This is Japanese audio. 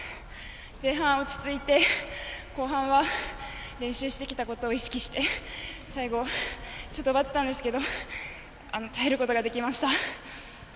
前半、落ち着いて後半は練習してきたことを意識して、最後ちょっとばてたんですけど耐えることができました。